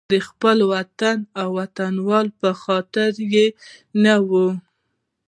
د خپل وطن او وطنوالو په خاطر یې نه وي.